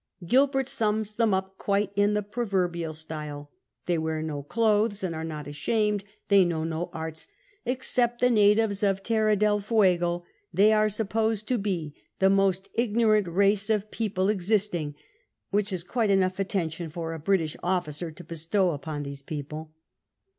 Gilbert sums tliem up quite in the proverbial style : they ^veai* no clothes and are not ashamed, ' they know no arts " except the natives of Terra del Fuego, they are 8up]x>sed to be the X GILBERT'S JOURNAL 121 most ignorant race of people existing" — which is quite enough attention for a British officer to bestow upon these people.